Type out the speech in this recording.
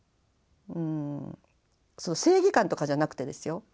正義感とかじゃなくてですよ。